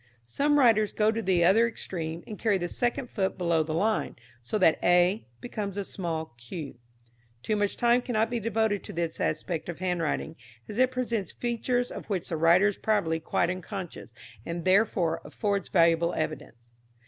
Some writers go to the other extreme, and carry the second foot below the line, so that a becomes a small q. Too much time cannot be devoted to this aspect of handwriting, as it presents features of which the writer is probably quite unconscious, and, therefore, affords valuable evidence.